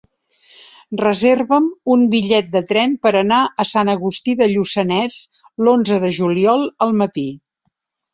Reserva'm un bitllet de tren per anar a Sant Agustí de Lluçanès l'onze de juliol al matí.